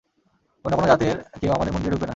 অন্য কোনো জাতের কেউ আমাদের মন্দিরে ঢুকবে না।